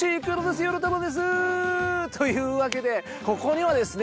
よろたのです！というわけでここにはですね